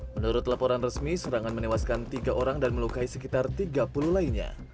menurut laporan resmi serangan menewaskan tiga orang dan melukai sekitar tiga puluh lainnya